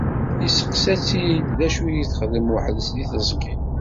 Yesteqsa-tt-id acu i txeddem weḥd-s di teẓgi.